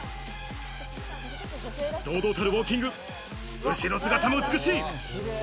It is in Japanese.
堂々たるウオーキング、後ろ姿も美しい！